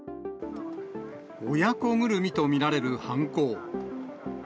親子ぐるみと見られる犯行。